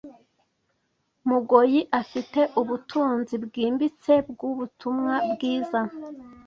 mugoyi afite ubutunzi bwimbitse bwubutumwa bwiza